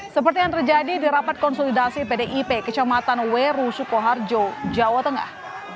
seperti yang terjadi di rapat konsolidasi pdip kecamatan weru sukoharjo jawa tengah